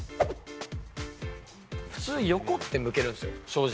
普通、横って向けるんですよ、正直。